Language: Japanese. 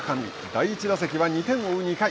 第１打席は、２点を追う２回。